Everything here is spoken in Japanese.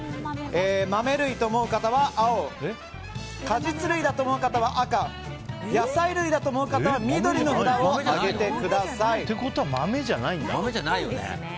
豆類と思う方は青果実類だと思う方は赤野菜類だと思う方は緑の札を上げてください。ってことは豆じゃないんだ？